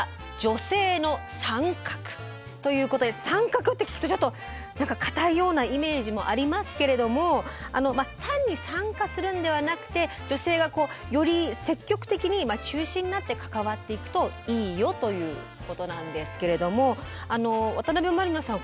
ということで「参画」って聞くとちょっと何か堅いようなイメージもありますけれども単に参加するんではなくて女性がより積極的に中心になって関わっていくといいよということなんですけれども渡辺満里奈さん